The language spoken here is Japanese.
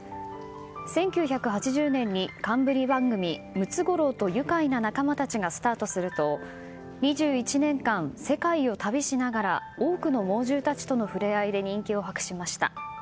１９８０年に冠番組「ムツゴロウとゆかいな仲間たち」がスタートすると２１年間、世界を旅しながら多くの猛獣たちとの触れ合いで人気を博しました。